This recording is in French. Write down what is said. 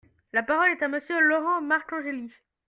La parole est à Monsieur Laurent Marcangeli.